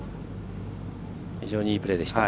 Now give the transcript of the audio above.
非常にいいプレーでした。